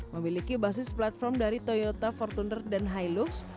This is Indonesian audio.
memiliki basis platform dari toyota fortuner dan hilux